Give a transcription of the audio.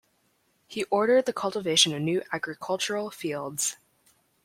He ordered the cultivation of new agricultural fields.